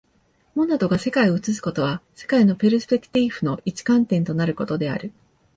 モナドが世界を映すことは、世界のペルスペクティーフの一観点となることである。